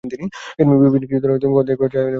বিপিন কিছুদূর হইতে ঘর দেখাইয়া দিয়া চলিয়া গেল।